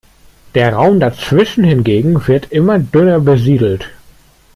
Der Raum dazwischen hingegen wird immer dünner besiedelt.